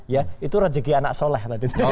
ya itu rezeki anak soleh tadi